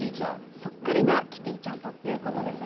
そっくりなキティちゃんということですね。